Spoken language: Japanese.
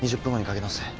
２０分後にかけ直す。